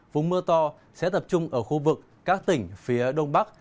vùng mưa to sẽ tập trung ở khu vực các tỉnh phía đông bắc